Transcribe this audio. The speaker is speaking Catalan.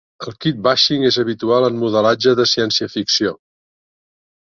El Kitbashing és habitual en modelatge de ciència-ficció.